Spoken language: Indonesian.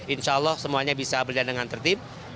insya allah semuanya bisa berjalan dengan tertib